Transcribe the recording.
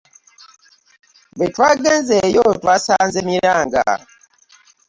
Bwe twagenzeeyo twasanze miranga.